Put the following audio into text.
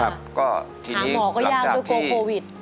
หาหมอก็ยากด้วยกลัวโควิด